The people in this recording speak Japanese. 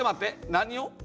何を？